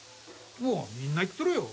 もうみんな言っとるよ。